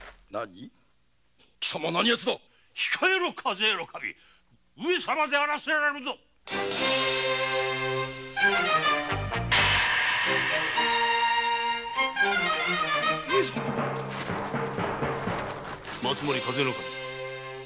貴様何やつだ控えろ主計頭上様であらせられるぞ上様松森主計頭